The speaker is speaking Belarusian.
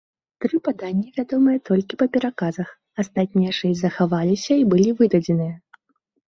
Тры паданні вядомыя толькі па пераказах, астатнія шэсць захаваліся і былі выдадзеныя.